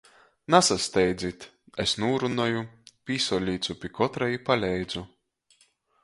Nasasteidzit! es nūrunoju, pīsalīcu pi kotra i paleidzu.